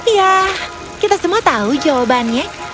ya kita semua tahu jawabannya